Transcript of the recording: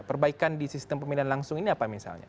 perbaikan di sistem pemilihan langsung ini apa misalnya